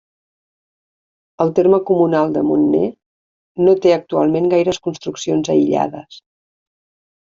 El terme comunal de Montner no té actualment gaires construccions aïllades.